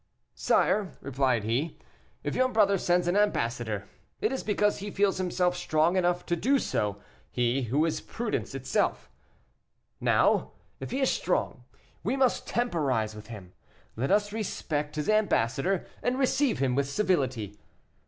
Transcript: "Sire," replied he, "if your brother sends an ambassador, it is because he feels himself strong enough to do so; he who is prudence itself. Now, if he is strong, we must temporize with him. Let us respect his ambassador, and receive him with civility.